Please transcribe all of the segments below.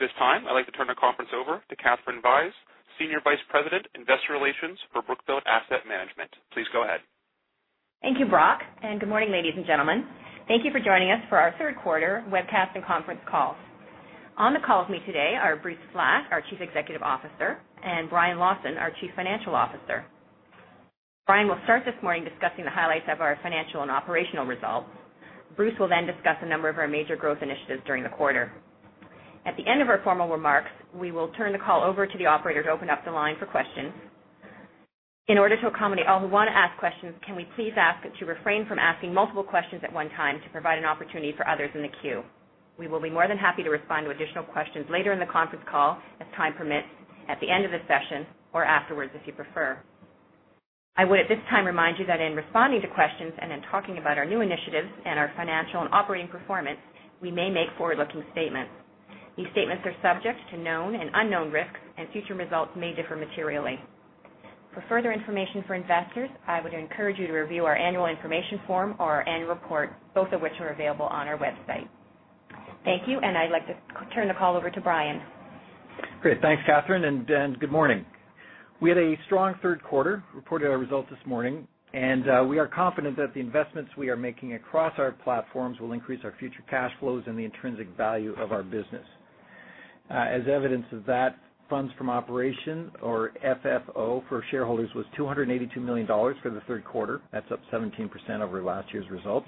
At this time, I'd like to turn the conference over to Katherine Vyse, Senior Vice President, Investor Relations for Brookfield Asset Management. Please go ahead. Thank you, Brock. Good morning, ladies and gentlemen. Thank you for joining us for our third quarter webcast and conference call. On the call with me today are Bruce Flatt, our Chief Executive Officer, and Brian, our Chief Financial Officer. Brian will start this morning discussing the highlights of our financial and operational results. Bruce will discuss a number of our major growth initiatives during the quarter. At the end of our formal remarks, we will turn the call over to the operator to open up the line for questions. In order to accommodate all who want to ask questions, can we please ask to refrain from asking multiple questions at one time to provide an opportunity for others in the queue. We will be more than happy to respond to additional questions later in the conference call, as time permits, at the end of the session, or afterwards, if you prefer. I would, at this time, remind you that in responding to questions and in talking about our new initiatives and our financial and operating performance, we may make forward-looking statements. These statements are subject to known and unknown risks. Future results may differ materially. For further information for investors, I would encourage you to review our annual information form, our annual report, both of which are available on our website. Thank you. I'd like to turn the call over to Brian. Great. Thanks, Katherine. Good morning. We had a strong third quarter, reported our results this morning. We are confident that the investments we are making across our platforms will increase our future cash flows and the intrinsic value of our business. As evidence of that, funds from operation or FFO for shareholders was $282 million for the third quarter. That's up 17% over last year's results.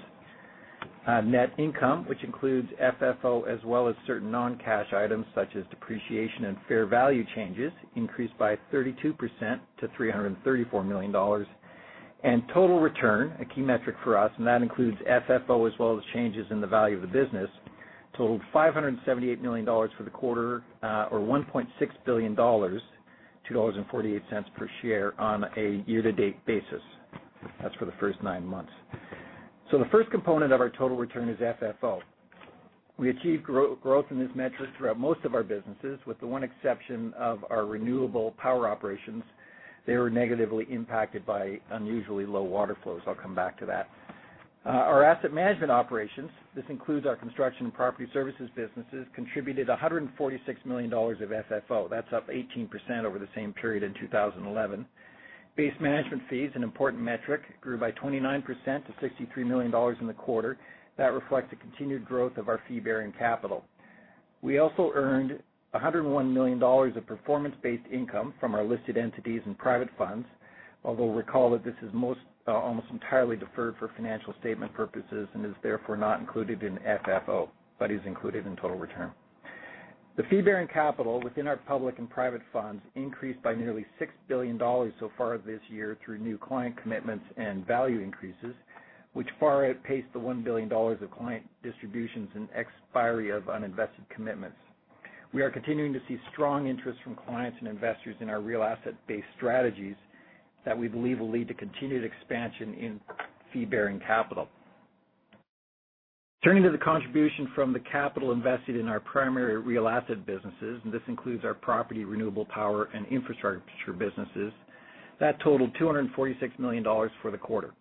Net income, which includes FFO as well as certain non-cash items such as depreciation and fair value changes, increased by 32% to $334 million. Total return, a key metric for us, and that includes FFO as well as changes in the value of the business, totaled $578 million for the quarter, or $1.6 billion, $2.48 per share on a year-to-date basis. That's for the first nine months. The first component of our total return is FFO. We achieved growth in this metric throughout most of our businesses, with the one exception of our renewable power operations. They were negatively impacted by unusually low water flows. I will come back to that. Our asset management operations, this includes our construction and property services businesses, contributed $146 million of FFO. That is up 18% over the same period in 2011. Base management fees, an important metric, grew by 29% to $63 million in the quarter. That reflects the continued growth of our fee-bearing capital. We also earned $101 million of performance-based income from our listed entities and private funds, although recall that this is almost entirely deferred for financial statement purposes and is therefore not included in FFO, but is included in total return. The fee-bearing capital within our public and private funds increased by nearly $6 billion so far this year through new client commitments and value increases, which far outpaced the $1 billion of client distributions and expiry of uninvested commitments. We are continuing to see strong interest from clients and investors in our real asset-based strategies that we believe will lead to continued expansion in fee-bearing capital. Turning to the contribution from the capital invested in our primary real asset businesses, and this includes our property, renewable power, and infrastructure businesses. That totaled $246 million for the quarter.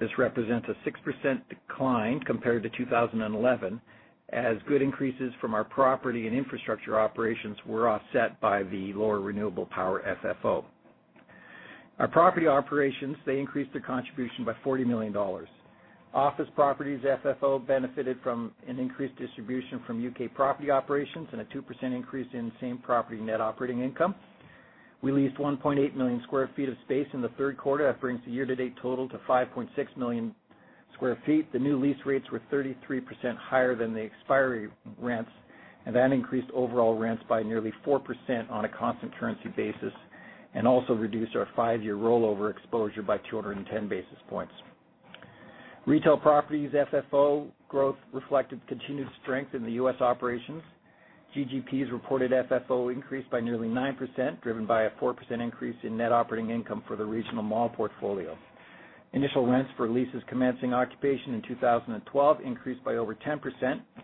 This represents a 6% decline compared to 2011, as good increases from our property and infrastructure operations were offset by the lower renewable power FFO. Our property operations, they increased their contribution by $40 million. Office properties FFO benefited from an increased distribution from U.K. property operations and a 2% increase in same-property net operating income. We leased 1.8 million sq ft of space in the third quarter. That brings the year-to-date total to 5.6 million sq ft. The new lease rates were 33% higher than the expiry rents, and that increased overall rents by nearly 4% on a constant currency basis and also reduced our five-year rollover exposure by 210 basis points. Retail properties FFO growth reflected continued strength in the U.S. operations. GGP's reported FFO increase by nearly 9%, driven by a 4% increase in net operating income for the regional mall portfolio. Initial rents for leases commencing occupation in 2012 increased by over 10%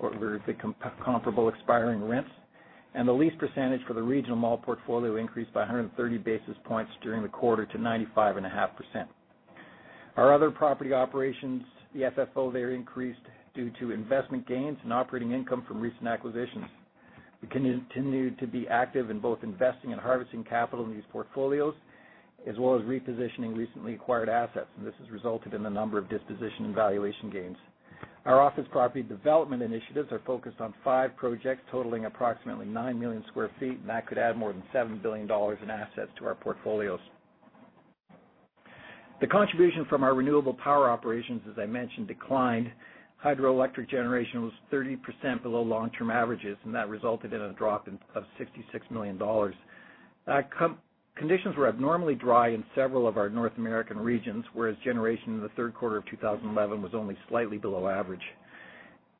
over the comparable expiring rents, and the lease percentage for the regional mall portfolio increased by 130 basis points during the quarter to 95.5%. Our other property operations, the FFO there increased due to investment gains and operating income from recent acquisitions. We continue to be active in both investing and harvesting capital in these portfolios, as well as repositioning recently acquired assets, and this has resulted in a number of disposition and valuation gains. Our office property development initiatives are focused on five projects totaling approximately 9 million sq ft, and that could add more than $7 billion in assets to our portfolios. The contribution from our renewable power operations, as I mentioned, declined. Hydroelectric generation was 30% below long-term averages, and that resulted in a drop of $66 million. Conditions were abnormally dry in several of our North American regions, whereas generation in the third quarter of 2011 was only slightly below average.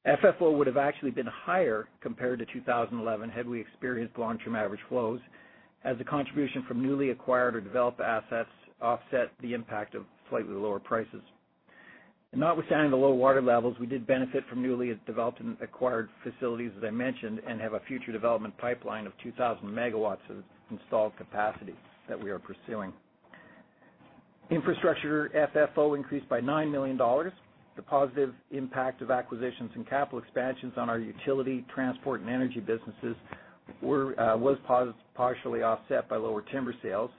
FFO would have actually been higher compared to 2011 had we experienced long-term average flows, as the contribution from newly acquired or developed assets offset the impact of slightly lower prices. Notwithstanding the low water levels, we did benefit from newly developed and acquired facilities, as I mentioned, and have a future development pipeline of 2,000 megawatts of installed capacity that we are pursuing. Infrastructure FFO increased by $9 million. The positive impact of acquisitions and capital expansions on our utility, transport, and energy businesses was partially offset by lower timber sales.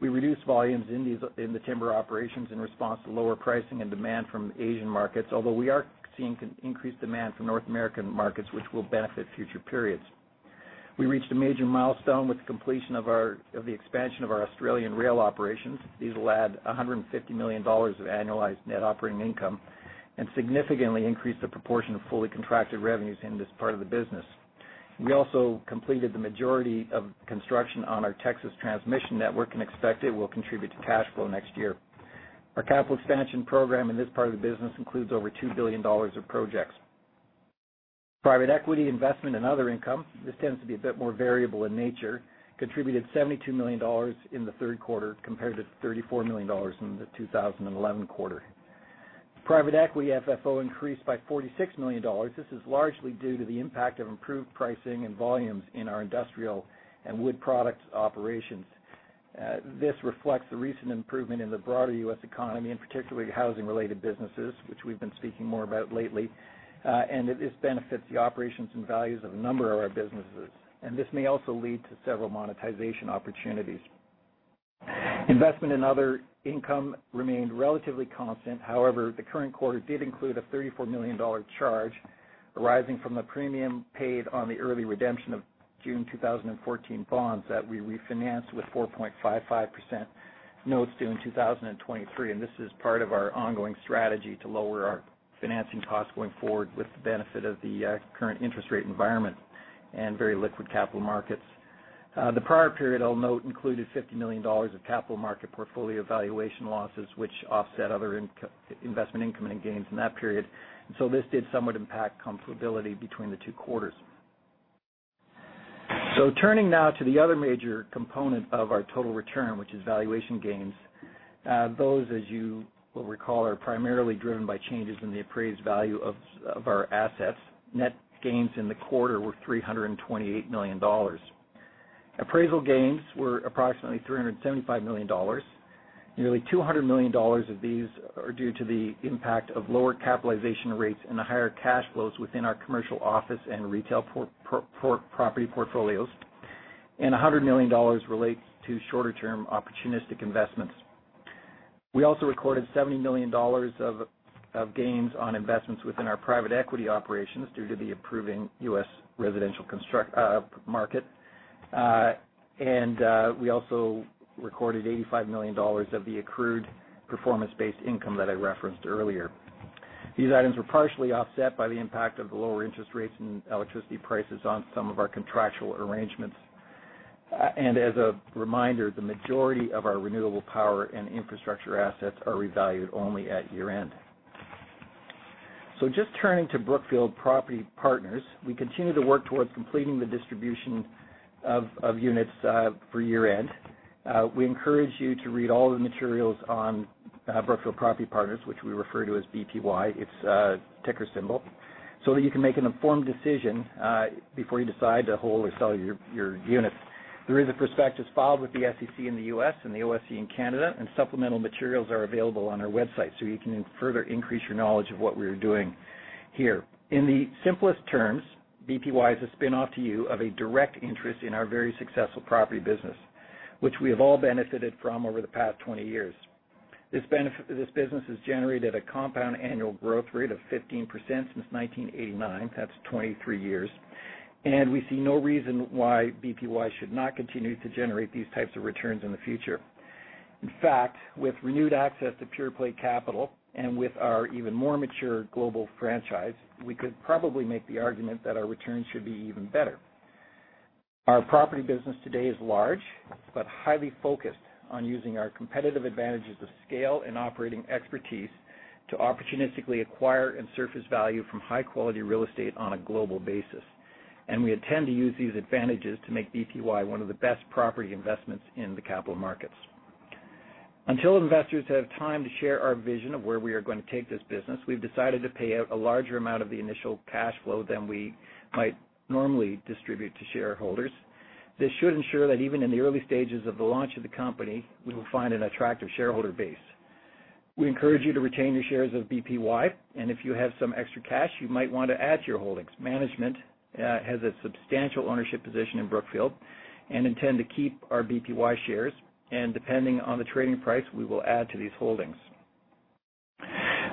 We reduced volumes in the timber operations in response to lower pricing and demand from Asian markets, although we are seeing increased demand from North American markets, which will benefit future periods. We reached a major milestone with the completion of the expansion of our Australian rail operations. These will add $150 million of annualized net operating income and significantly increase the proportion of fully contracted revenues in this part of the business. We also completed the majority of construction on our Texas transmission network and expect it will contribute to cash flow next year. Our capital expansion program in this part of the business includes over $2 billion of projects. Private equity investment and other income, this tends to be a bit more variable in nature, contributed $72 million in the third quarter compared to $34 million in the 2011 quarter. Private equity FFO increased by $46 million. This is largely due to the impact of improved pricing and volumes in our industrial and wood product operations. This reflects the recent improvement in the broader U.S. economy, and particularly housing-related businesses, which we've been speaking more about lately. This benefits the operations and values of a number of our businesses. This may also lead to several monetization opportunities. Investment in other income remained relatively constant. However, the current quarter did include a $34 million charge arising from the premium paid on the early redemption of June 2014 bonds that we refinanced with 4.55% notes due in 2023. This is part of our ongoing strategy to lower our financing costs going forward with the benefit of the current interest rate environment and very liquid capital markets. The prior period, I'll note, included $50 million of capital market portfolio valuation losses, which offset other investment income and gains in that period. This did somewhat impact comparability between the two quarters. Turning now to the other major component of our total return, which is valuation gains. Those, as you will recall, are primarily driven by changes in the appraised value of our assets. Net gains in the quarter were $328 million. Appraisal gains were approximately $375 million. Nearly $200 million of these are due to the impact of lower capitalization rates and the higher cash flows within our commercial office and retail property portfolios. $100 million relates to shorter-term opportunistic investments. We also recorded $70 million of gains on investments within our private equity operations due to the improving U.S. residential market. We also recorded $85 million of the accrued performance-based income that I referenced earlier. These items were partially offset by the impact of the lower interest rates and electricity prices on some of our contractual arrangements. As a reminder, the majority of our renewable power and infrastructure assets are revalued only at year-end. Turning to Brookfield Property Partners, we continue to work towards completing the distribution of units for year-end. We encourage you to read all the materials on Brookfield Property Partners, which we refer to as BPY, its ticker symbol, so that you can make an informed decision before you decide to hold or sell your units. There is a prospectus filed with the SEC in the U.S. and the OSC in Canada, and supplemental materials are available on our website so you can further increase your knowledge of what we are doing here. In the simplest terms, BPY is a spinoff to you of a direct interest in our very successful property business, which we have all benefited from over the past 20 years. This business has generated a compound annual growth rate of 15% since 1989. That's 23 years. We see no reason why BPY should not continue to generate these types of returns in the future. In fact, with renewed access to pure-play capital and with our even more mature global franchise, we could probably make the argument that our returns should be even better. Our property business today is large but highly focused on using our competitive advantages of scale and operating expertise to opportunistically acquire and surface value from high-quality real estate on a global basis. We intend to use these advantages to make BPY one of the best property investments in the capital markets. Until investors have time to share our vision of where we are going to take this business, we've decided to pay out a larger amount of the initial cash flow than we might normally distribute to shareholders. This should ensure that even in the early stages of the launch of the company, we will find an attractive shareholder base. We encourage you to retain your shares of BPY, and if you have some extra cash, you might want to add to your holdings. Management has a substantial ownership position in Brookfield and intend to keep our BPY shares. Depending on the trading price, we will add to these holdings.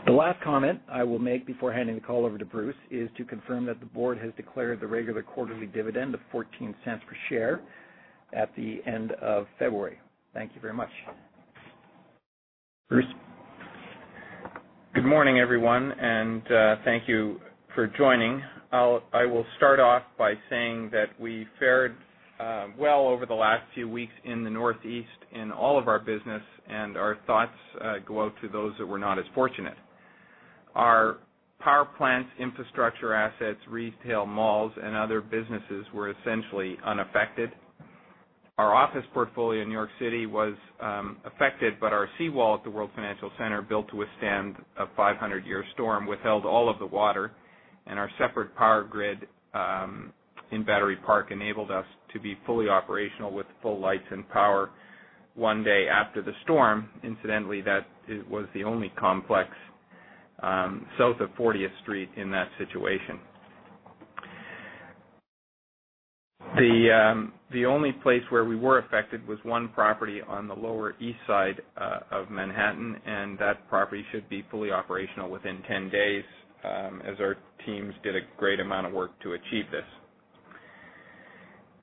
The last comment I will make before handing the call over to Bruce is to confirm that the board has declared the regular quarterly dividend of $0.14 per share at the end of February. Thank you very much. Bruce? Good morning, everyone, and thank you for joining. I will start off by saying that we fared well over the last few weeks in the Northeast in all of our business, and our thoughts go out to those that were not as fortunate. Our power plants, infrastructure assets, retail malls, and other businesses were essentially unaffected. Our office portfolio in New York City was affected, but our seawall at the World Financial Center, built to withstand a 500-year storm, withheld all of the water. Our separate power grid in Battery Park enabled us to be fully operational with full lights and power one day after the storm. Incidentally, that was the only complex south of 40th Street in that situation. The only place where we were affected was one property on the Lower East Side of Manhattan, and that property should be fully operational within 10 days, as our teams did a great amount of work to achieve this.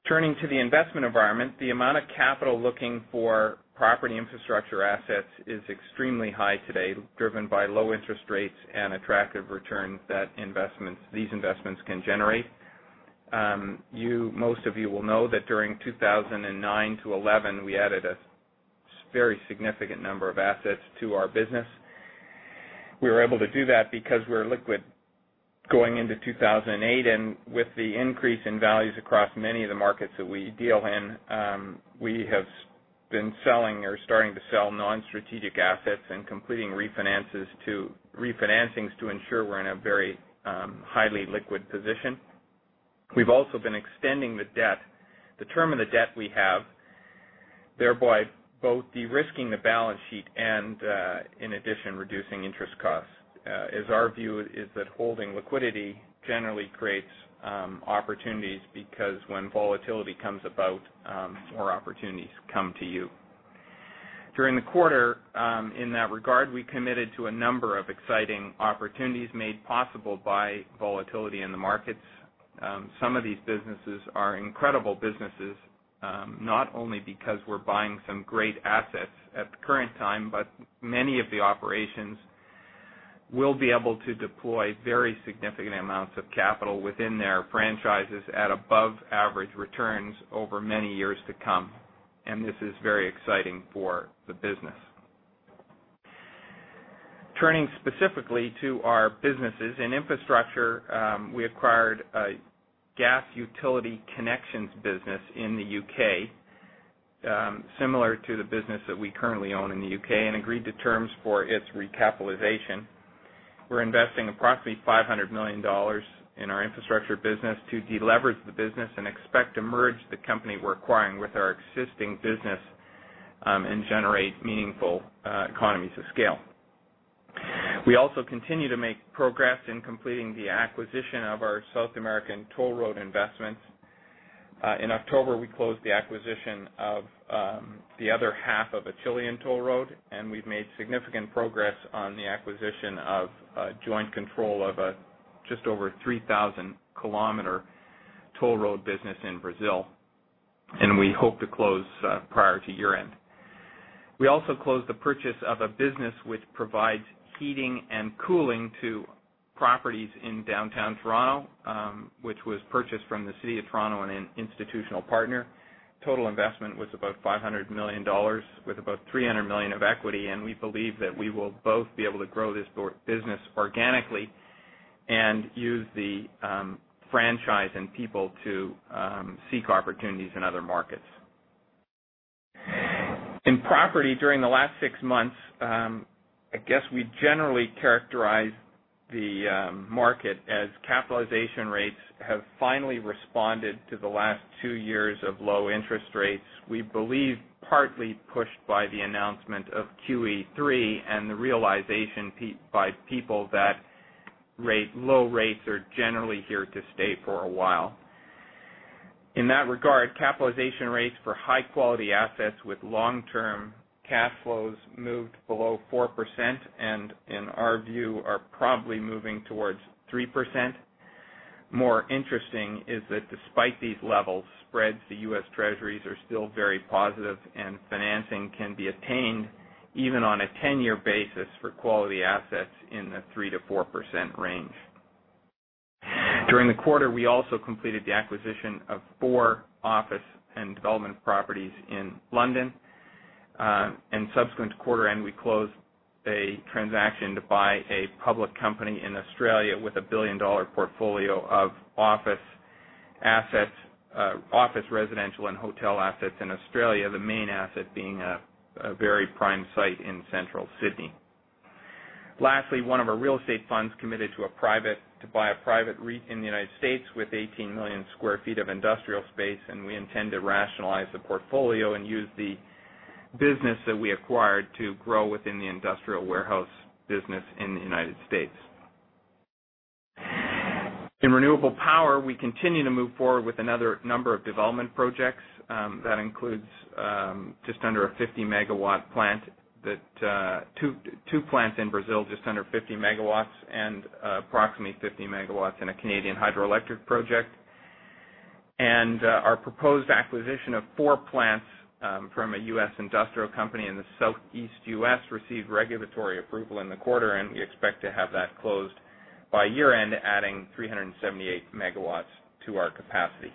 Turning to the investment environment, the amount of capital looking for property infrastructure assets is extremely high today, driven by low interest rates and attractive returns that these investments can generate. Most of you will know that during 2009 to 2011, we added a very significant number of assets to our business. We were able to do that because we were liquid going into 2008, and with the increase in values across many of the markets that we deal in, we have been selling or starting to sell non-strategic assets and completing refinancings to ensure we're in a very highly liquid position. We've also been extending the term of the debt we have, thereby both de-risking the balance sheet and, in addition, reducing interest costs, as our view is that holding liquidity generally creates opportunities because when volatility comes about, more opportunities come to you. During the quarter, in that regard, we committed to a number of exciting opportunities made possible by volatility in the markets. Some of these businesses are incredible businesses, not only because we're buying some great assets at the current time, but many of the operations will be able to deploy very significant amounts of capital within their franchises at above average returns over many years to come, and this is very exciting for the business. Turning specifically to our businesses. In infrastructure, we acquired a gas utility connections business in the U.K., similar to the business that we currently own in the U.K., and agreed to terms for its recapitalization. We're investing approximately $500 million in our infrastructure business to de-leverage the business, and expect to merge the company we're acquiring with our existing business, and generate meaningful economies of scale. We also continue to make progress in completing the acquisition of our South American toll road investments. In October, we closed the acquisition of the other half of a Chilean toll road, and we've made significant progress on the acquisition of joint control of a just over 3,000-kilometer toll road business in Brazil, and we hope to close prior to year-end. We also closed the purchase of a business which provides heating and cooling to properties in Downtown Toronto, which was purchased from the city of Toronto and an institutional partner. Total investment was about $500 million with about $300 million of equity, and we believe that we will both be able to grow this business organically and use the franchise and people to seek opportunities in other markets. In property, during the last six months, I guess we generally characterize the market as capitalization rates have finally responded to the last two years of low interest rates, we believe partly pushed by the announcement of QE3 and the realization by people that low rates are generally here to stay for a while. In that regard, capitalization rates for high-quality assets with long-term cash flows moved below 4%, and in our view, are probably moving towards 3%. More interesting is that despite these levels, spreads to U.S. Treasuries are still very positive, and financing can be attained even on a 10-year basis for quality assets in the 3%-4% range. During the quarter, we also completed the acquisition of four office and development properties in London. In subsequent quarter end, we closed a transaction to buy a public company in Australia with a billion-dollar portfolio of office, residential, and hotel assets in Australia, the main asset being a very prime site in Central Sydney. Lastly, one of our real estate funds committed to buy a private REIT in the U.S. with 18 million sq ft of industrial space, and we intend to rationalize the portfolio and use the business that we acquired to grow within the industrial warehouse business in the U.S. In renewable power, we continue to move forward with another number of development projects. That includes two plants in Brazil, just under 50 megawatts, and approximately 50 megawatts in a Canadian hydroelectric project. Our proposed acquisition of four plants from a U.S. industrial company in the Southeast U.S. received regulatory approval in the quarter, and we expect to have that closed by year-end, adding 378 MW to our capacity.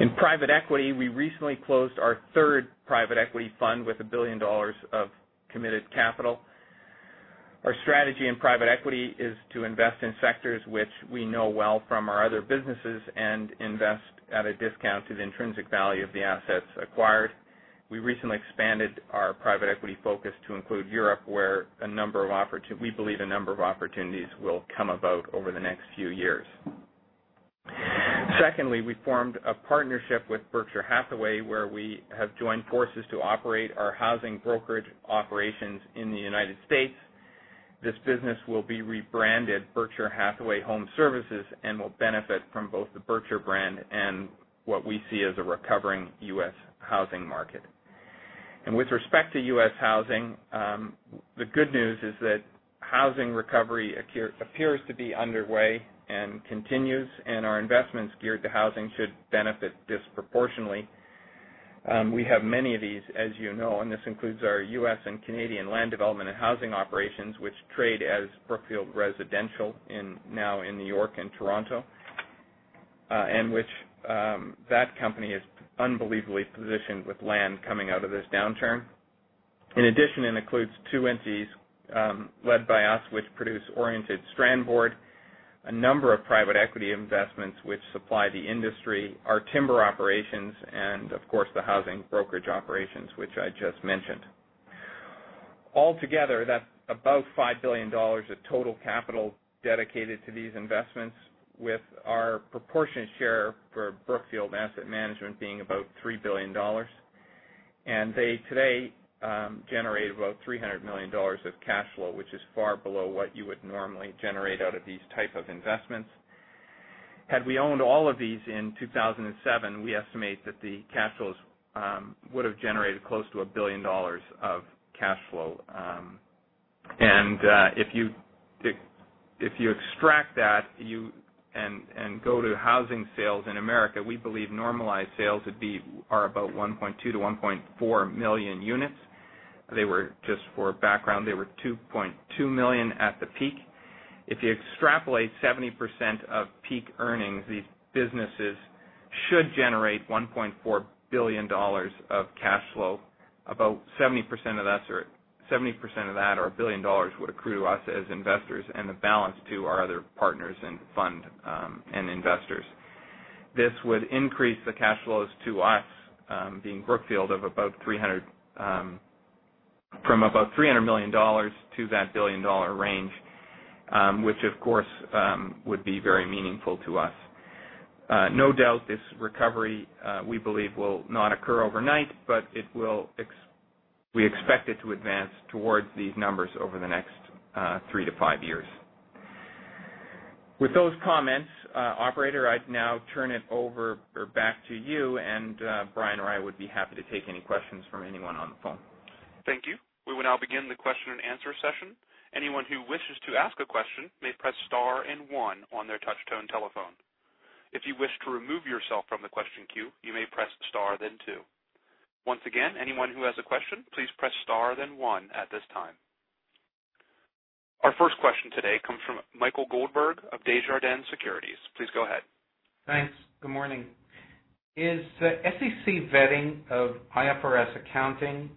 In private equity, we recently closed our third private equity fund with $1 billion of committed capital. Our strategy in private equity is to invest in sectors which we know well from our other businesses, invest at a discount to the intrinsic value of the assets acquired. We recently expanded our private equity focus to include Europe, where we believe a number of opportunities will come about over the next few years. Secondly, we formed a partnership with Berkshire Hathaway, where we have joined forces to operate our housing brokerage operations in the U.S. This business will be rebranded Berkshire Hathaway HomeServices and will benefit from both the Berkshire brand and what we see as a recovering U.S. housing market. With respect to U.S. housing, the good news is that housing recovery appears to be underway and continues, and our investments geared to housing should benefit disproportionately. We have many of these, as you know, and this includes our U.S. and Canadian land development and housing operations, which trade as Brookfield Residential now in New York and Toronto. Which that company is unbelievably positioned with land coming out of this downturn. In addition, it includes two entities led by us, which produce oriented strand board, a number of private equity investments which supply the industry, our timber operations, and of course, the housing brokerage operations, which I just mentioned. All together, that's about $5 billion of total capital dedicated to these investments with our proportionate share for Brookfield Asset Management being about $3 billion. They today generate about $300 million of cash flow, which is far below what you would normally generate out of these type of investments. Had we owned all of these in 2007, we estimate that the cash flows would've generated close to $1 billion of cash flow. If you extract that and go to housing sales in America, we believe normalized sales are about 1.2 million-1.4 million units. Just for background, they were 2.2 million at the peak. If you extrapolate 70% of peak earnings, these businesses should generate $1.4 billion of cash flow. About 70% of that or $1 billion would accrue to us as investors, and the balance to our other partners in fund and investors. This would increase the cash flows to us, being Brookfield, from about $300 million to that $1 billion range, which of course would be very meaningful to us. No doubt this recovery, we believe will not occur overnight, but we expect it to advance towards these numbers over the next 3-5 years. With those comments, operator, I'd now turn it over or back to you, and Brian or I would be happy to take any questions from anyone on the phone. Thank you. We will now begin the question and answer session. Anyone who wishes to ask a question may press star and one on their touch-tone telephone. If you wish to remove yourself from the question queue, you may press star then two. Once again, anyone who has a question, please press star then one at this time. Our first question today comes from Michael Goldberg of Desjardins Securities. Please go ahead. Thanks. Good morning. Is SEC vetting of IFRS accounting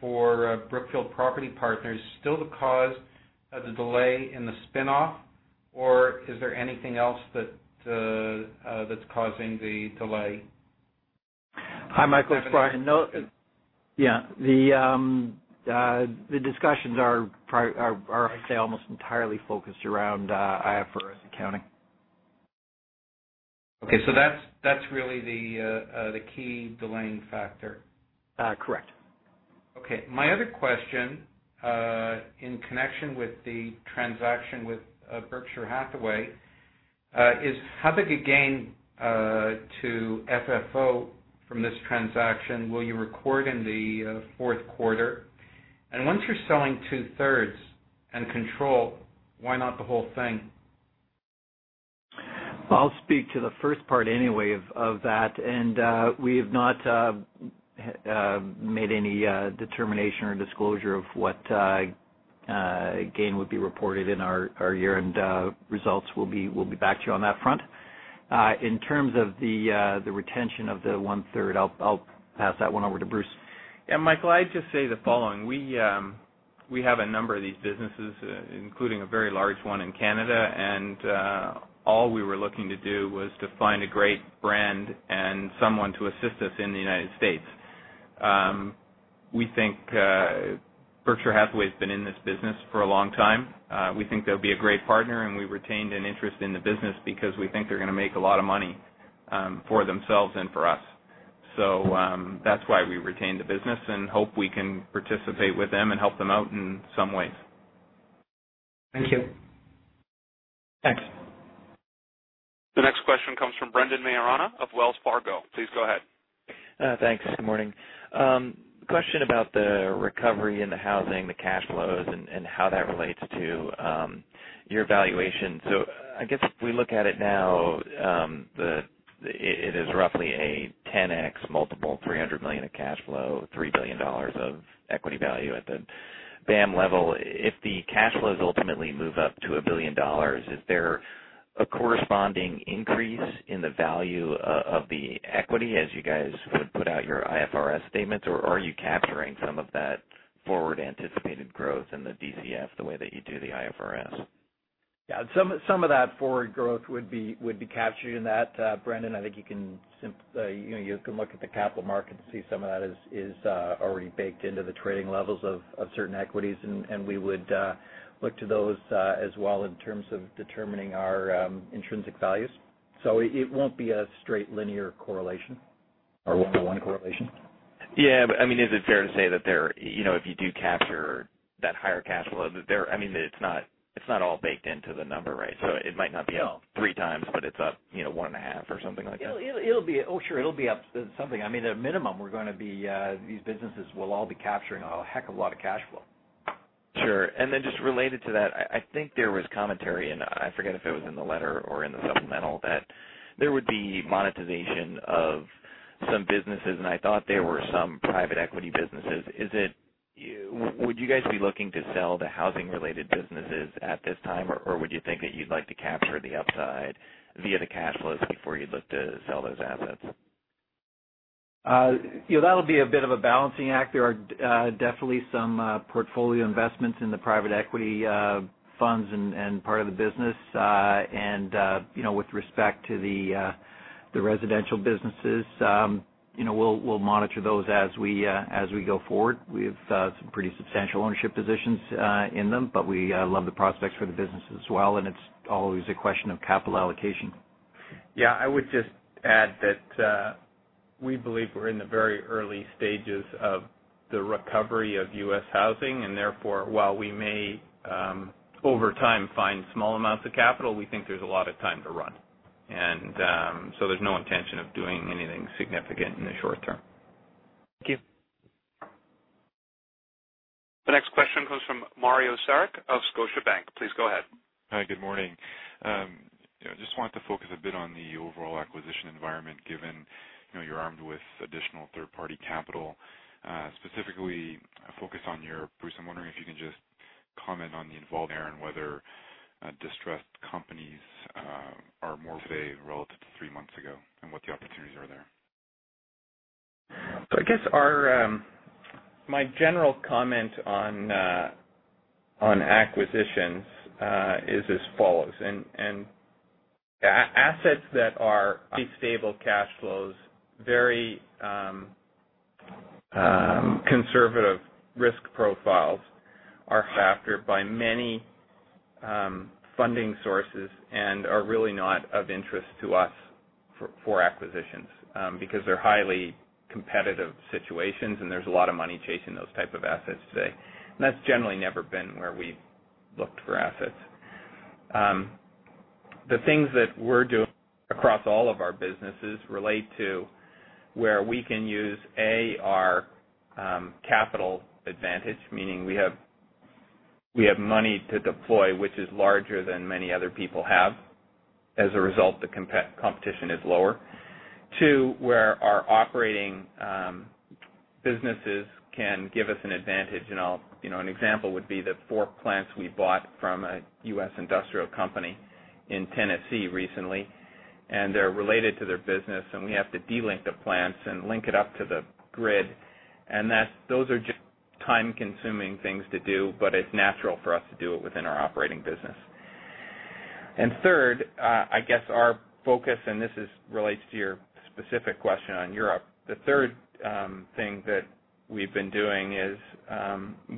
for Brookfield Property Partners still the cause of the delay in the spinoff, or is there anything else that's causing the delay? Hi, Michael. It's Brian. Yeah. The discussions are, I'd say, almost entirely focused around IFRS accounting. Okay. That's really the key delaying factor. Correct. Okay. My other question, in connection with the transaction with Berkshire Hathaway, is how big a gain to FFO from this transaction will you record in the fourth quarter? Once you're selling two-thirds and control, why not the whole thing? I'll speak to the first part anyway of that. We have not made any determination or disclosure of what gain would be reported in our year-end results. We'll be back to you on that front. In terms of the retention of the one-third, I'll pass that one over to Bruce. Michael, I'd just say the following. We have a number of these businesses, including a very large one in Canada, and all we were looking to do was to find a great brand and someone to assist us in the U.S. Berkshire Hathaway's been in this business for a long time. We think they'll be a great partner, and we retained an interest in the business because we think they're going to make a lot of money for themselves and for us. That's why we retained the business and hope we can participate with them and help them out in some ways. Thank you. Thanks. The next question comes from Brendan Maiorana of Wells Fargo. Please go ahead. Thanks. Good morning. Question about the recovery in the housing, the cash flows, and how that relates to your valuation. I guess if we look at it now, it is roughly a 10X multiple, $300 million of cash flow, $3 billion of equity value at the BAM level. If the cash flows ultimately move up to $1 billion, is there a corresponding increase in the value of the equity as you guys would put out your IFRS statements, or are you capturing some of that forward anticipated growth in the DCF the way that you do the IFRS? Yeah. Some of that forward growth would be captured in that, Brendan. I think you can look at the capital markets to see some of that is already baked into the trading levels of certain equities, we would look to those as well in terms of determining our intrinsic values. It won't be a straight linear correlation or one-to-one correlation. Yeah. Is it fair to say that if you do capture that higher cash flow, it's not all baked into the number, right? It might not be up 3 times, but it's up 1.5 or something like that. Sure. It'll be up something. At minimum, these businesses will all be capturing a heck of a lot of cash flow. Sure. Just related to that, I think there was commentary, and I forget if it was in the letter or in the supplemental, that there would be monetization of some businesses, and I thought there were some private equity businesses. Would you guys be looking to sell the housing-related businesses at this time, or would you think that you'd like to capture the upside via the cash flows before you'd look to sell those assets? That'll be a bit of a balancing act. There are definitely some portfolio investments in the private equity funds and part of the business. With respect to the residential businesses, we'll monitor those as we go forward. We have some pretty substantial ownership positions in them, but we love the prospects for the business as well, and it's always a question of capital allocation. Yeah. I would just add that we believe we're in the very early stages of the recovery of U.S. housing. Therefore, while we may, over time, find small amounts of capital, we think there's a lot of time to run. So there's no intention of doing anything significant in the short term. Thank you. The next question comes from Mario Saric of Scotiabank. Please go ahead. Hi. Good morning. Just wanted to focus a bit on the overall acquisition environment, given you're armed with additional third-party capital. Specifically, focus on Europe. Bruce, I'm wondering if you can just comment on the involved there, and whether distressed companies are more today relative to three months ago, and what the opportunities are there. I guess my general comment on acquisitions is as follows, and assets that are pretty stable cash flows, very conservative risk profiles are factored by many funding sources and are really not of interest to us for acquisitions, because they're highly competitive situations, and there's a lot of money chasing those type of assets today. That's generally never been where we've looked for assets. The things that we're doing across all of our businesses relate to where we can use, A, our capital advantage, meaning we have money to deploy which is larger than many other people have. As a result, the competition is lower. Two, where our operating businesses can give us an advantage. An example would be the 4 plants we bought from a U.S. industrial company in Tennessee recently. They're related to their business, and we have to de-link the plants and link it up to the grid. Those are just time-consuming things to do, but it's natural for us to do it within our operating business. Third, I guess our focus, and this relates to your specific question on Europe. The third thing that we've been doing is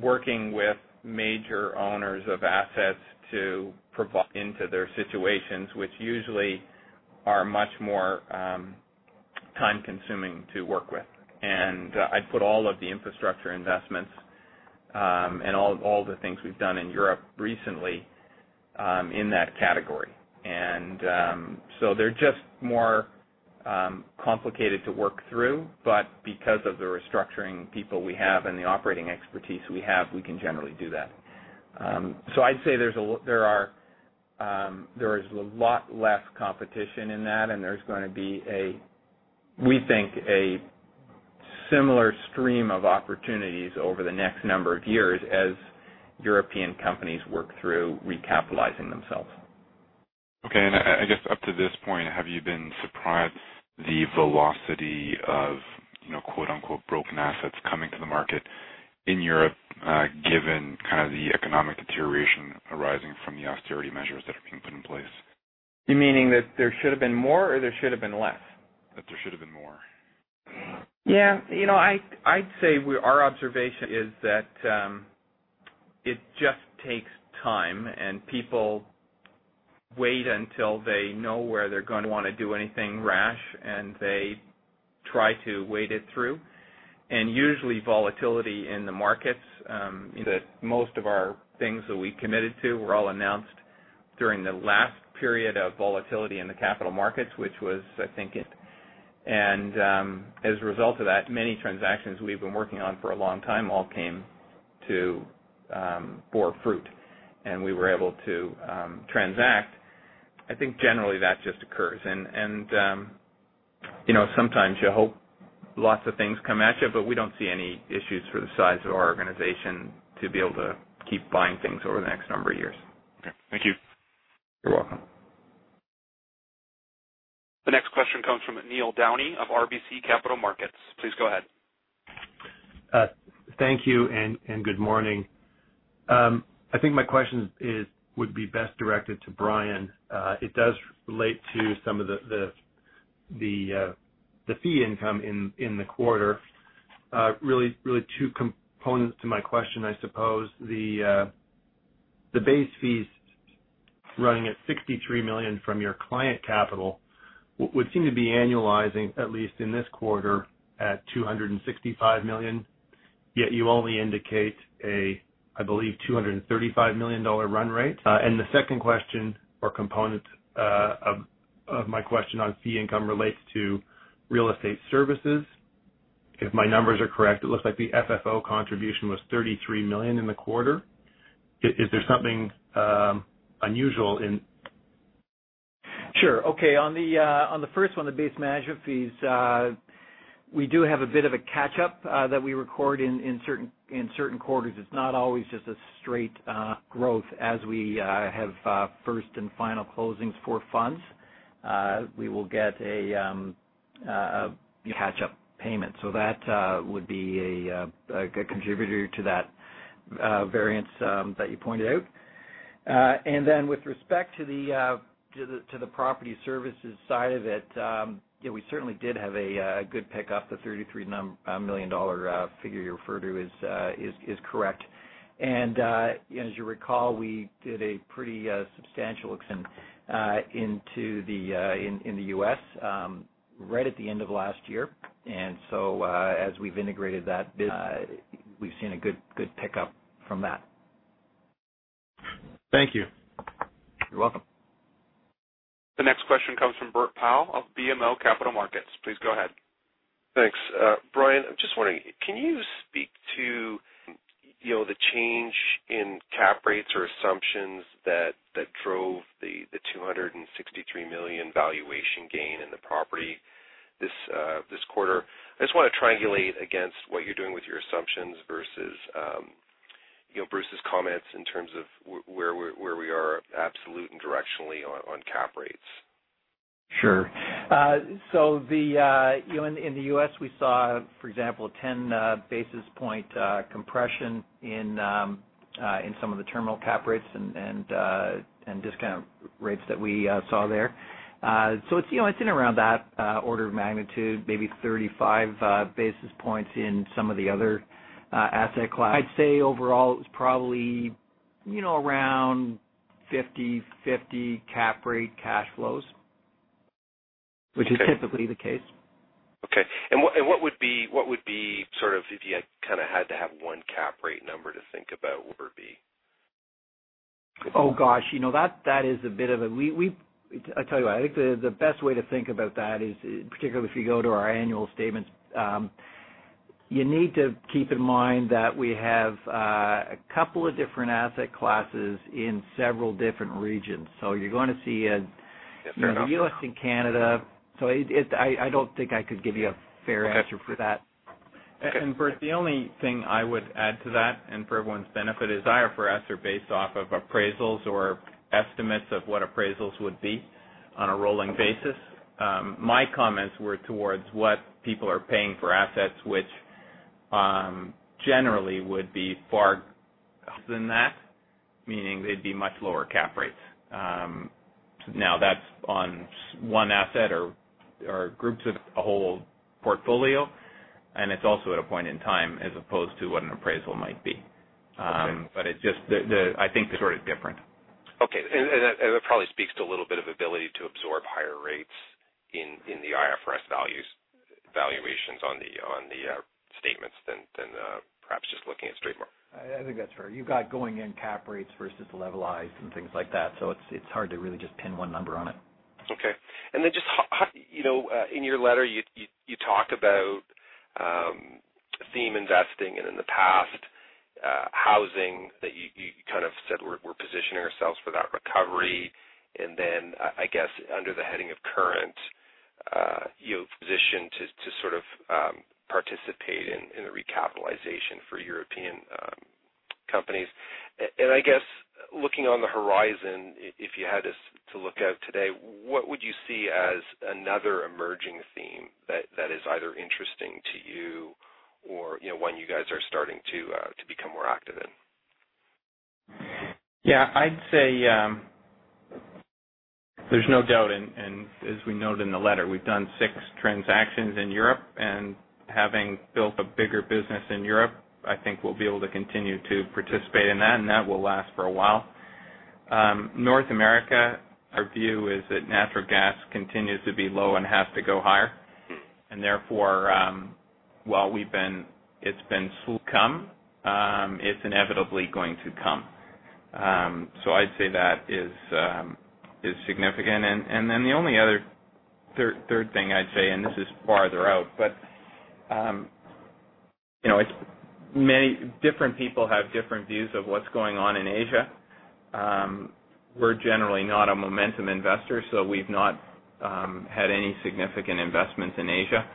working with major owners of assets to provide into their situations, which usually are much more time-consuming to work with. I'd put all of the infrastructure investments, and all the things we've done in Europe recently, in that category. They're just more complicated to work through, but because of the restructuring people we have and the operating expertise we have, we can generally do that. I'd say there is a lot less competition in that, and there's going to be, we think, a similar stream of opportunities over the next number of years as European companies work through recapitalizing themselves. Okay. I guess up to this point, have you been surprised the velocity of "broken assets" coming to the market in Europe, given the economic deterioration arising from the austerity measures that are being put in place? You meaning that there should've been more, or there should've been less? That there should've been more. Yeah. I'd say our observation is that it just takes time, and people wait until they know where they're going to want to do anything rash, and they try to wait it through. Usually, volatility in the markets, most of our things that we committed to were all announced during the last period of volatility in the capital markets. As a result of that, many transactions we've been working on for a long time all came to bore fruit, and we were able to transact. I think generally, that just occurs. Sometimes you hope lots of things come at you, but we don't see any issues for the size of our organization to be able to keep buying things over the next number of years. Okay. Thank you. You're welcome. Neil Downey of RBC Capital Markets. Please go ahead. Thank you. Good morning. I think my question would be best directed to Brian. It does relate to some of the fee income in the quarter. Really two components to my question, I suppose. The base fees running at $63 million from your client capital would seem to be annualizing, at least in this quarter, at $265 million, yet you only indicate a, I believe, $235 million run rate. The second question or component of my question on fee income relates to real estate services. If my numbers are correct, it looks like the FFO contribution was $33 million in the quarter. Is there something unusual in. Sure. Okay. On the first one, the base management fees, we do have a bit of a catch-up that we record in certain quarters. It's not always just a straight growth as we have first and final closings for funds. We will get a catch-up payment. That would be a good contributor to that variance that you pointed out. Then with respect to the property services side of it, we certainly did have a good pickup. The $33 million figure you refer to is correct. As you recall, we did a pretty substantial extend in the U.S. right at the end of last year. As we've integrated that business, we've seen a good pick-up from that. Thank you. You're welcome. The next question comes from Bert Powell of BMO Capital Markets. Please go ahead. Thanks. Brian, I'm just wondering, can you speak to the change in cap rates or assumptions that drove the $263 million valuation gain in the property this quarter? I just want to triangulate against what you're doing with your assumptions versus Bruce's comments in terms of where we are absolute and directionally on cap rates. Sure. In the U.S. we saw, for example, a 10-basis-point compression in some of the terminal cap rates and discount rates that we saw there. It's in around that order of magnitude, maybe 35 basis points in some of the other asset classes. I'd say overall it was probably around 50/50 cap rate cash flows. Okay. Which is typically the case. Okay. What would be sort of, if you kind of had to have one cap rate number to think about, what would it be? Oh, gosh. I tell you what, I think the best way to think about that is, particularly if you go to our annual statements. You need to keep in mind that we have a couple of different asset classes in several different regions. You're going to see. Yes, fair enough. Real estate in Canada. I don't think I could give you a fair answer for that. Okay. Bert, the only thing I would add to that, and for everyone's benefit, is IFRS are based off of appraisals or estimates of what appraisals would be on a rolling basis. My comments were towards what people are paying for assets, which generally would be far higher than that, meaning they'd be much lower cap rates. That's on one asset or groups of a whole portfolio, and it's also at a point in time as opposed to what an appraisal might be. Okay. I think they're sort of different. Okay. That probably speaks to a little bit of ability to absorb higher rates in the IFRS valuations on the statements than perhaps just looking at. I think that's fair. You've got going-in cap rates versus levelized and things like that. It's hard to really just pin one number on it. Okay. Then just in your letter, you talked about theme investing and in the past housing that you kind of said we're positioning ourselves for that recovery. Then I guess under the heading of current position to sort of participate in the recapitalization for European companies. I guess looking on the horizon, if you had to look out today, what would you see as another emerging theme that is either interesting to you or one you guys are starting to become more active in? Yeah, I'd say there's no doubt, as we noted in the letter, we've done six transactions in Europe. Having built a bigger business in Europe, I think we'll be able to continue to participate in that will last for a while. North America, our view is that natural gas continues to be low and has to go higher. Therefore, while it's been slow to come, it's inevitably going to come. I'd say that is significant. The only other third thing I'd say, and this is farther out, but different people have different views of what's going on in Asia. We're generally not a momentum investor, so we've not had any significant investments in Asia.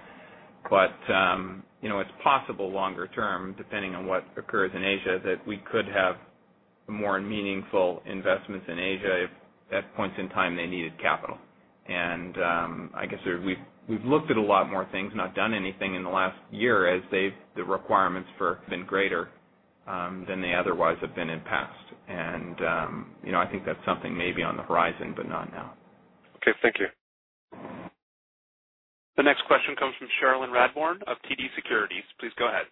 It's possible longer term, depending on what occurs in Asia, that we could have more meaningful investments in Asia if at points in time they needed capital. I guess we've looked at a lot more things, not done anything in the last year, as the requirements have been greater than they otherwise have been in past. I think that's something maybe on the horizon, but not now. Okay, thank you. The next question comes from Cherilyn Radbourne of TD Securities. Please go ahead.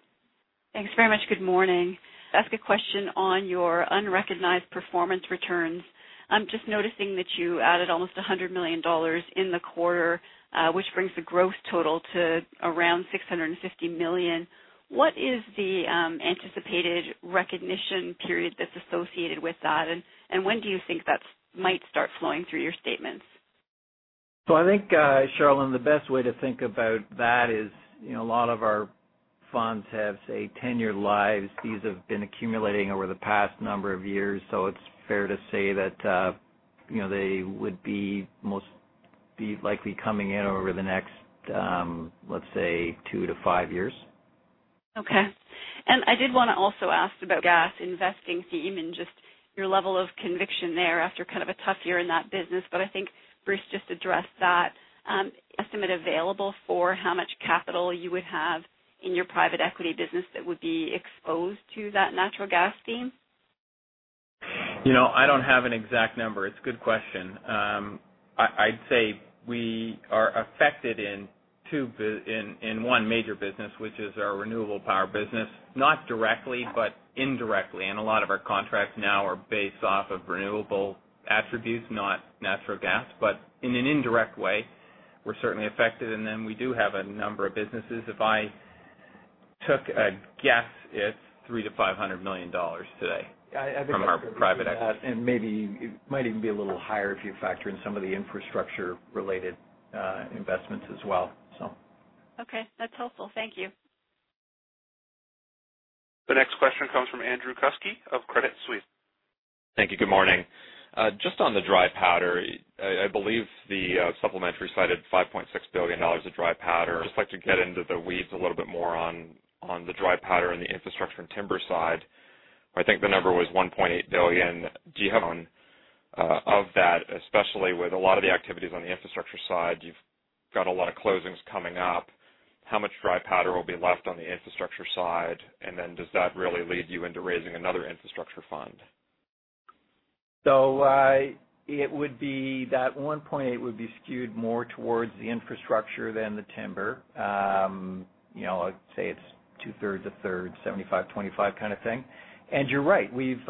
Thanks very much. Good morning. Ask a question on your unrecognized performance returns. I'm just noticing that you added almost $100 million in the quarter, which brings the growth total to around $650 million. What is the anticipated recognition period that's associated with that, and when do you think that might start flowing through your statements? I think, Cherilyn, the best way to think about that is, a lot of our funds have, say, tenure lives. These have been accumulating over the past number of years, so it's fair to say that they would be most likely coming in over the next, let's say, two to five years. Okay. I did want to also ask about gas investing theme and just your level of conviction there after kind of a tough year in that business. I think Bruce just addressed that. Estimate available for how much capital you would have in your private equity business that would be exposed to that natural gas theme? I don't have an exact number. It's a good question. I'd say we are affected in one major business, which is our renewable power business. Not directly, but indirectly, a lot of our contracts now are based off of renewable attributes, not natural gas. In an indirect way, we're certainly affected. We do have a number of businesses. If I took a guess, it's $300 million to $500 million today from our private equity. Maybe it might even be a little higher if you factor in some of the infrastructure related investments as well. Okay. That's helpful. Thank you. The next question comes from Andrew Kuske of Credit Suisse. Thank you. Good morning. On the dry powder, I believe the supplementary cited $5.6 billion of dry powder. Like to get into the weeds a little bit more on the dry powder and the infrastructure and timber side. I think the number was $1.8 billion. Do you have of that, especially with a lot of the activities on the infrastructure side, you've got a lot of closings coming up. How much dry powder will be left on the infrastructure side, Does that really lead you into raising another infrastructure fund? That $1.8 billion would be skewed more towards the infrastructure than the timber. I'd say it's two-thirds, a third, 75/25 kind of thing. You're right, we've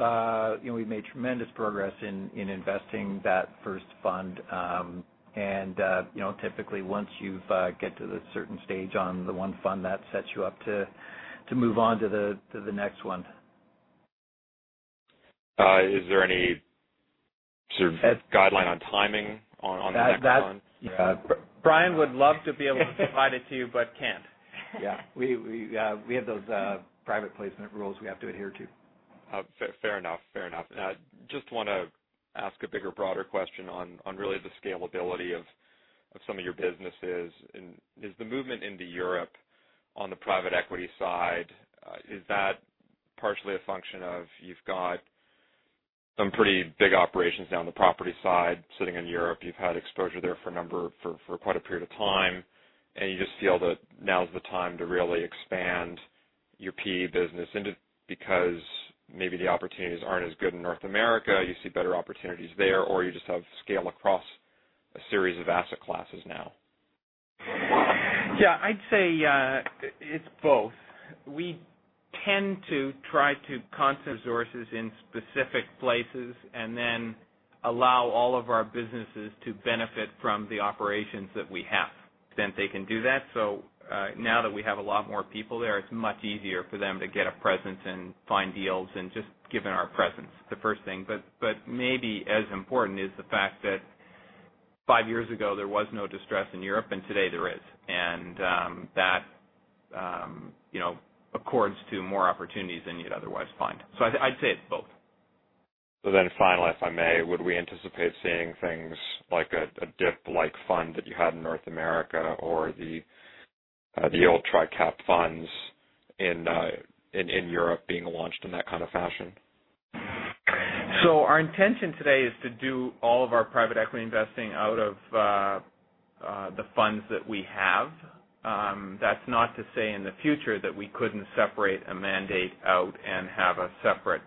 made tremendous progress in investing that first fund. Typically, once you get to the certain stage on the one fund, that sets you up to move on to the next one. Is there any sort of guideline on timing on the next one? Brian would love to be able to provide it to you, but can't. Yeah. We have those private placement rules we have to adhere to. Fair enough. I just want to ask a bigger, broader question on really the scalability of some of your businesses. There's the movement into Europe on the private equity side. Is that partially a function of you've got some pretty big operations down the property side sitting in Europe, you've had exposure there for quite a period of time, and you just feel that now's the time to really expand your PE business because maybe the opportunities aren't as good in North America, you see better opportunities there, or you just have scale across a series of asset classes now? Yeah, I'd say it's both. We tend to try to concentrate resources in specific places and then allow all of our businesses to benefit from the operations that we have. Since they can do that, so now that we have a lot more people there, it's much easier for them to get a presence and find deals and just given our presence, the first thing. Maybe as important is the fact that five years ago, there was no distress in Europe, and today there is. That accords to more opportunities than you'd otherwise find. I'd say it's both. Final, if I may, would we anticipate seeing things like a DIP-like fund that you had in North America or the old Tricap funds in Europe being launched in that kind of fashion? Our intention today is to do all of our private equity investing out of the funds that we have. That's not to say in the future that we couldn't separate a mandate out and have a separate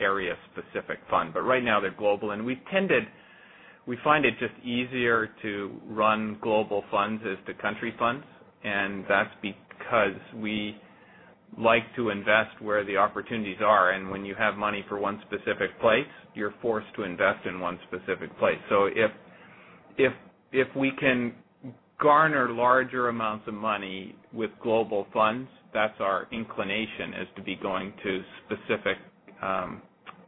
area-specific fund. Right now they're global, and we find it just easier to run global funds as the country funds. That's because we like to invest where the opportunities are. When you have money for one specific place, you're forced to invest in one specific place. If we can garner larger amounts of money with global funds, that's our inclination, is to be going to specific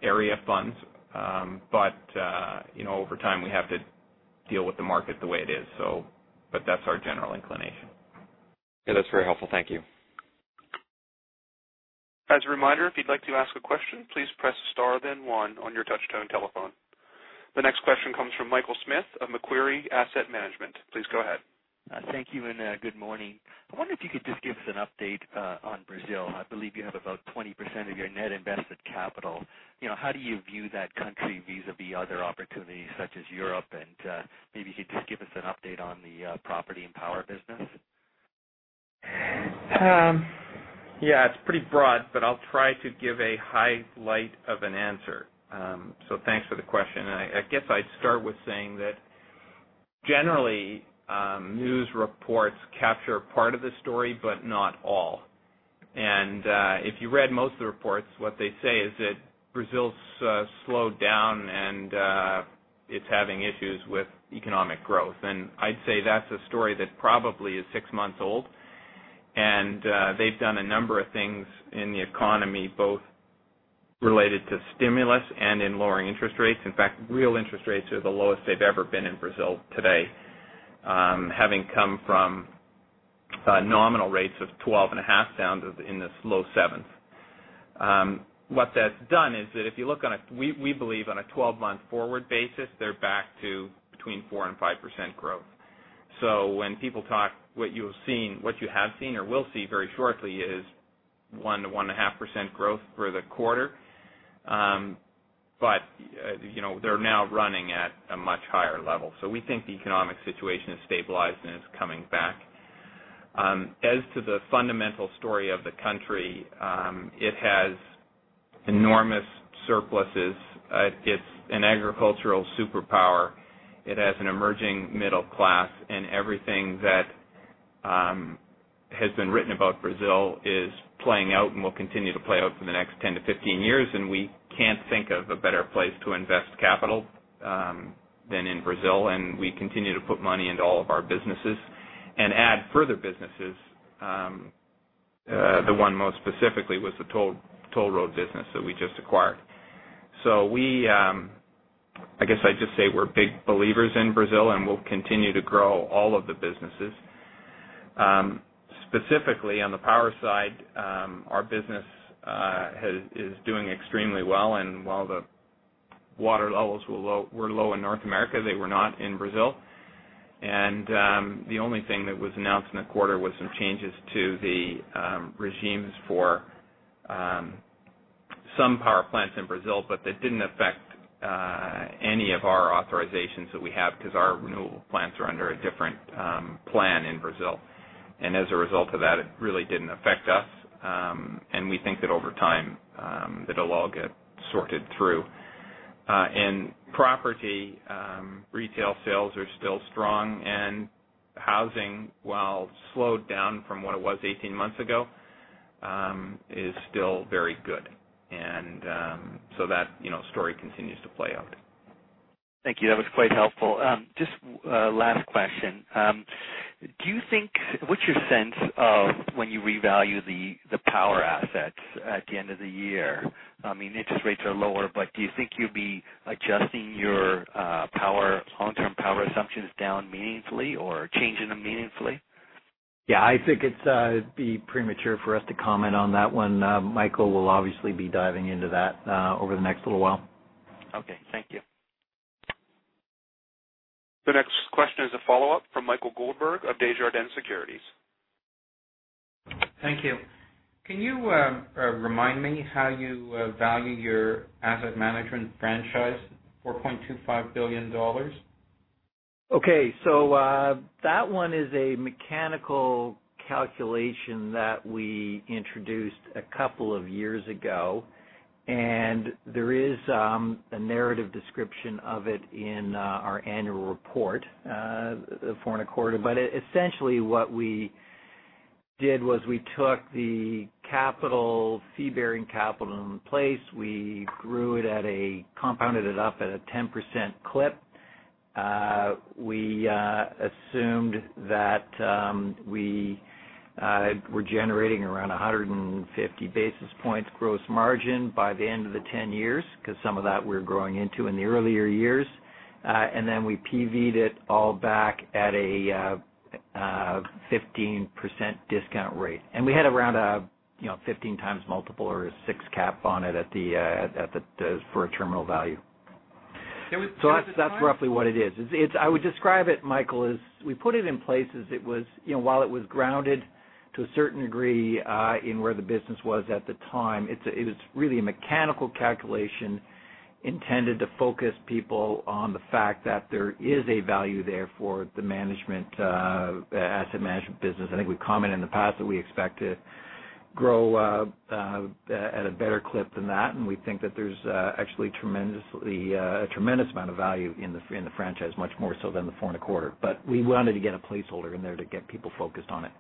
area funds. Over time, we have to deal with the market the way it is. That's our general inclination. Yeah, that's very helpful. Thank you. As a reminder, if you'd like to ask a question, please press star then one on your touch-tone telephone. The next question comes from Michael Smith of Macquarie Asset Management. Please go ahead. Thank you, and good morning. I wonder if you could just give us an update on Brazil. I believe you have about 20% of your net invested capital. How do you view that country vis-a-vis other opportunities such as Europe? Maybe if you could just give us an update on the property and power business. Yeah, it's pretty broad, but I'll try to give a highlight of an answer. Thanks for the question. I guess I'd start with saying that generally, news reports capture part of the story, but not all. If you read most of the reports, what they say is that Brazil's slowed down and it's having issues with economic growth. I'd say that's a story that probably is 6 months old. They've done a number of things in the economy, both related to stimulus and in lowering interest rates. In fact, real interest rates are the lowest they've ever been in Brazil today, having come from nominal rates of 12.5 down to in this low 7. What that's done is that if you look, we believe on a 12-month forward basis, they're back to between 4% and 5% growth. When people talk, what you have seen or will see very shortly is 1%-1.5% growth for the quarter. They're now running at a much higher level. We think the economic situation has stabilized and is coming back. As to the fundamental story of the country, it has enormous surpluses. It's an agricultural superpower. It has an emerging middle class, everything that has been written about Brazil is playing out and will continue to play out for the next 10-15 years. We can't think of a better place to invest capital than in Brazil. We continue to put money into all of our businesses and add further businesses. The one most specifically was the toll road business that we just acquired. I guess I'd just say we're big believers in Brazil, and we'll continue to grow all of the businesses. Specifically on the power side, our business is doing extremely well. While the water levels were low in North America, they were not in Brazil. The only thing that was announced in the quarter was some changes to the regimes for some power plants in Brazil, but that didn't affect any of our authorizations that we have because our renewable plants are under a different plan in Brazil. As a result of that, it really didn't affect us. We think that over time, it'll all get sorted through. In property, retail sales are still strong, and housing, while slowed down from what it was 18 months ago, is still very good. That story continues to play out. Thank you. That was quite helpful. Just a last question. What's your sense of when you revalue the power assets at the end of the year? I mean, interest rates are lower, but do you think you'll be adjusting your long-term power assumptions down meaningfully or changing them meaningfully? Yeah, I think it'd be premature for us to comment on that one. Michael will obviously be diving into that over the next little while. Okay. Thank you. The next question is a follow-up from Michael Goldberg of Desjardins Securities. Thank you. Can you remind me how you value your asset management franchise, $4.25 billion? Okay. That one is a mechanical calculation that we introduced a couple of years ago. There is a narrative description of it in our annual report for a quarter. Essentially what we did was we took the capital, fee-bearing capital in place. We compounded it up at a 10% clip. We assumed that we were generating around 150 basis points gross margin by the end of the 10 years because some of that we're growing into in the earlier years. We PV'd it all back at a 15% discount rate. We had around a 15 times multiple or a six cap on it for a terminal value. There was- That's roughly what it is. I would describe it, Michael, while it was grounded to a certain degree in where the business was at the time. It was really a mechanical calculation intended to focus people on the fact that there is a value there for the asset management business. I think we've commented in the past that we expect to grow at a better clip than that, and we think that there's actually a tremendous amount of value in the franchise, much more so than the four and a quarter. We wanted to get a placeholder in there to get people focused on it.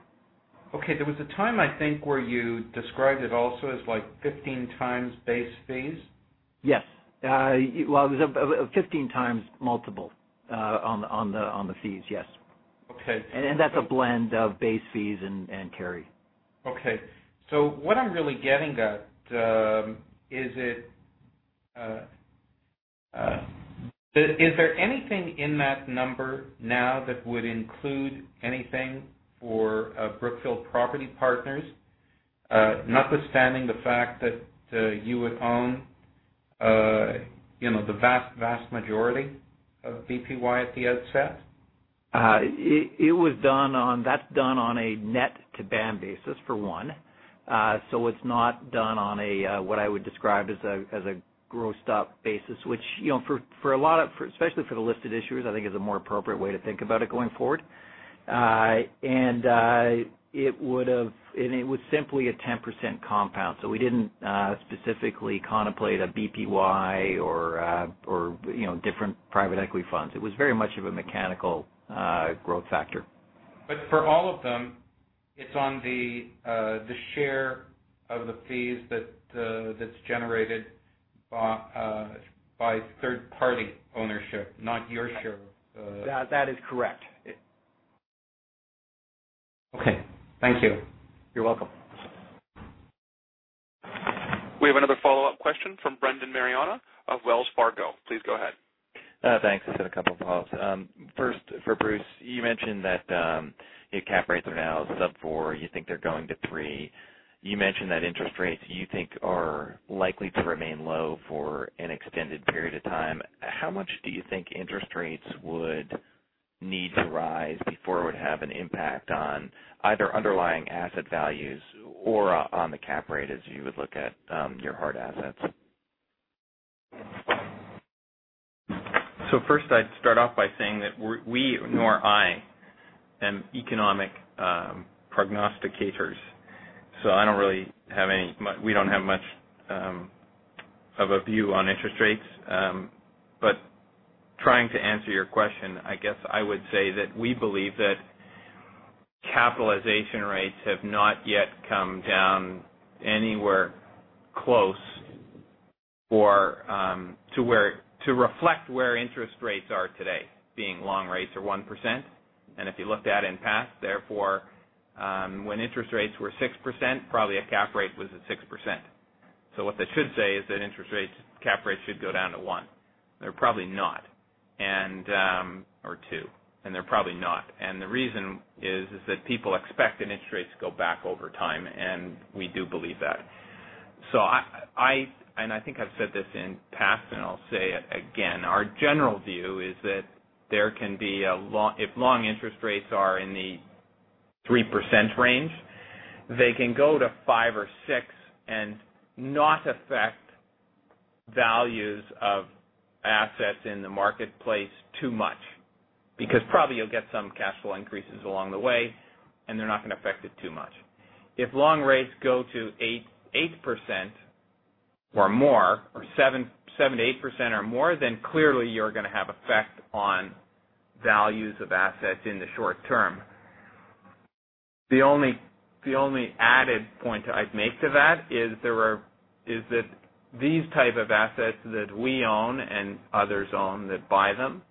Okay. There was a time, I think, where you described it also as like 15 times base fees? Yes. Well, it was a 15x multiple on the fees, yes. Okay. That's a blend of base fees and carry. Okay. What I'm really getting at, Is there anything in that number now that would include anything for Brookfield Property Partners, notwithstanding the fact that you would own the vast majority of BPY at the outset? That's done on a net-to-BAM basis, for one. It's not done on a, what I would describe as a grossed-up basis, which, especially for the listed issuers, I think is a more appropriate way to think about it going forward. It was simply a 10% compound. We didn't specifically contemplate a BPY or different private equity funds. It was very much of a mechanical growth factor. For all of them, it's on the share of the fees that's generated by third-party ownership, not your share of the fees. That is correct. Okay. Thank you. You're welcome. We have another follow-up question from Brendan Maiorana of Wells Fargo. Please go ahead. Thanks. I just had a couple of follows. First, for Bruce, you mentioned that your cap rates about sub-4. You think they're going to 3. You mentioned that interest rates, you think, are likely to remain low for an extended period of time. How much do you think interest rates would need to rise before it would have an impact on either underlying asset values or on the cap rate as you would look at your hard assets? First, I'd start off by saying that we, nor I, am economic prognosticators. We don't have much of a view on interest rates. Trying to answer your question, I guess I would say that we believe that capitalization rates have not yet come down anywhere close to reflect where interest rates are today. Being long rates are 1%. If you looked at in past, therefore, when interest rates were 6%, probably a cap rate was at 6%. What that should say is that interest rates cap rates should go down to 1. They're probably not. Or 2, and they're probably not. The reason is that people expect interest rates to go back over time, and we do believe that. I think I've said this in past, and I'll say it again. Our general view is that if long interest rates are in the 3% range, they can go to five or six and not affect values of assets in the marketplace too much. Probably you'll get some cash flow increases along the way, and they're not going to affect it too much. If long rates go to 8% or more, or 7% to 8% or more, then clearly you're going to have effect on values of assets in the short term. The only added point I'd make to that is that these type of assets that we own and others own that buy them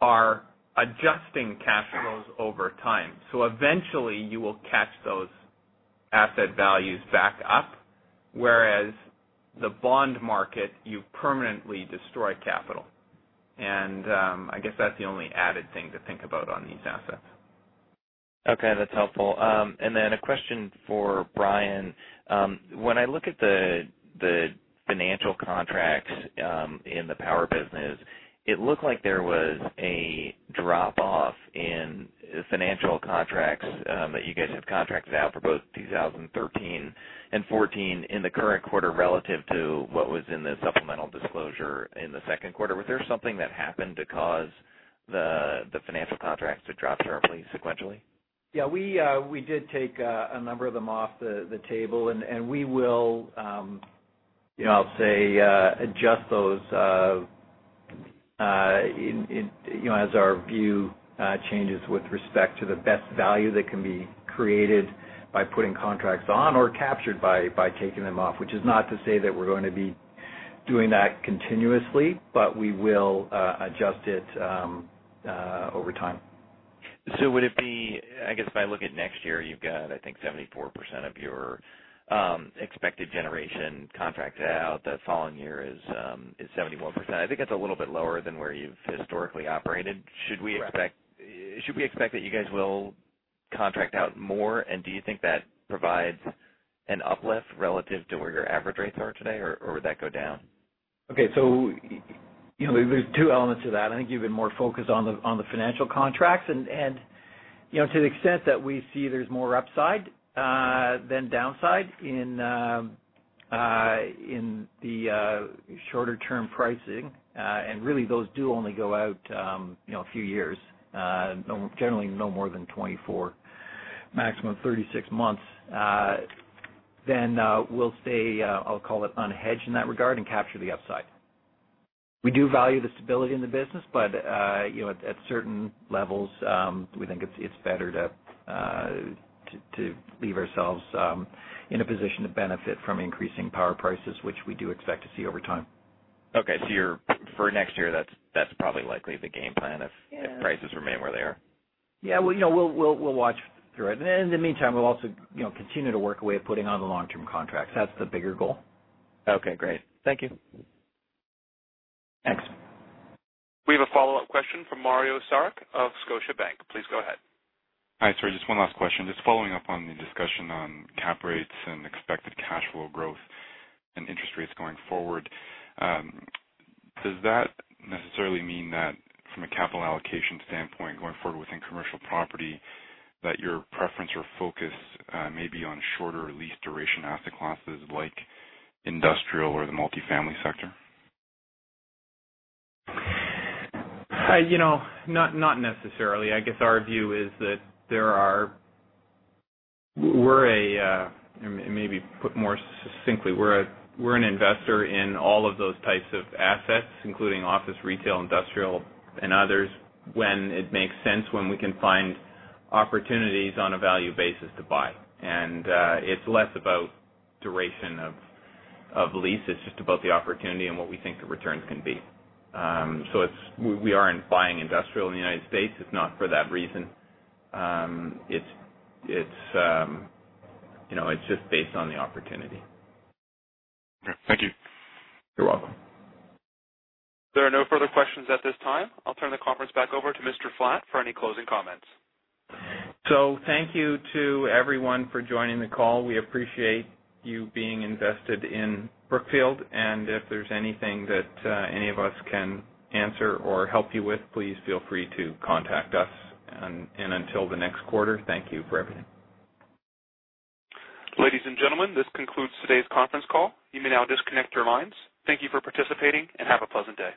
are adjusting cash flows over time. Eventually, you will catch those asset values back up, whereas the bond market, you permanently destroy capital. I guess that's the only added thing to think about on these assets. Okay. That's helpful. Then a question for Brian. When I look at the financial contracts in the power business, it looked like there was a drop-off in financial contracts that you guys have contracted out for both 2013 and 2014 in the current quarter relative to what was in the supplemental disclosure in the second quarter. Was there something that happened to cause the financial contracts to drop sharply sequentially? Yeah. We did take a number of them off the table, we will, I'll say, adjust those as our view changes with respect to the best value that can be created by putting contracts on or captured by taking them off. Which is not to say that we're going to be doing that continuously, but we will adjust it over time. Would it be, I guess, if I look at next year, you've got, I think, 74% of your expected generation contracted out. The following year is 71%. I think that's a little bit lower than where you've historically operated. Correct. Should we expect that you guys will contract out more, and do you think that provides an uplift relative to where your average rates are today, or would that go down? Okay. There's two elements to that. I think you've been more focused on the financial contracts, and to the extent that we see there's more upside than downside in the shorter-term pricing. Really, those do only go out a few years. Generally no more than 24, maximum 36 months. We'll stay, I'll call it unhedged in that regard and capture the upside. We do value the stability in the business, but at certain levels, we think it's better to leave ourselves in a position to benefit from increasing power prices, which we do expect to see over time. Okay. For next year, that's probably likely the game plan if prices remain where they are. Yeah. We'll watch through it. In the meantime, we'll also continue to work a way of putting on the long-term contracts. That's the bigger goal. Okay, great. Thank you. Thanks. We have a follow-up question from Mario Saric of Scotiabank. Please go ahead. Hi. Sorry, just one last question. Just following up on the discussion on cap rates and expected cash flow growth and interest rates going forward. Does that necessarily mean that from a capital allocation standpoint going forward within commercial property, that your preference or focus may be on shorter lease duration asset classes like industrial or the multifamily sector? Not necessarily. Maybe put more succinctly. We're an investor in all of those types of assets, including office, retail, industrial, and others when it makes sense, when we can find opportunities on a value basis to buy. It's less about duration of lease. It's just about the opportunity and what we think the returns can be. We aren't buying industrial in the U.S. It's not for that reason. It's just based on the opportunity. Okay. Thank you. You're welcome. There are no further questions at this time. I'll turn the conference back over to Mr. Flatt for any closing comments. Thank you to everyone for joining the call. We appreciate you being invested in Brookfield, if there's anything that any of us can answer or help you with, please feel free to contact us. Until the next quarter, thank you for everything. Ladies and gentlemen, this concludes today's conference call. You may now disconnect your lines. Thank you for participating, and have a pleasant day.